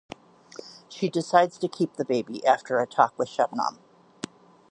She decides to keep the baby after a talk with Shabnam.